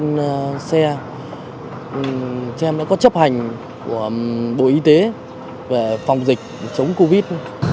chúng em đã có chấp hành của bộ y tế về phòng dịch chống covid